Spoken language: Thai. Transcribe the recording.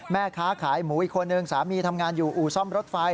แม่ค้าขายหมูอีกคนนึงสามีทำงานอยู่อู่ซ่อมรถไฟ